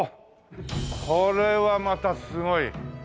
これはまたすごい！